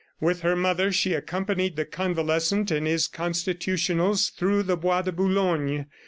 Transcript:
With her mother, she accompanied the convalescent in his constitutionals through the Bois de Boulogne.